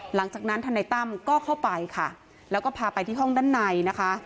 หลังจากนั้นท่านในตำก็เข้าไปค่ะแล้วก็พาไปที่ห้องด้านในนะคะ